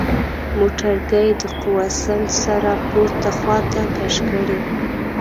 موټرګی د قوه سنج سره پورته خواته کش کړئ.